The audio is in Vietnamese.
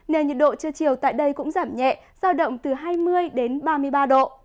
nên nhiệt độ trưa chiều tại đây cũng giảm nhẹ giao động từ hai mươi đến ba mươi ba độ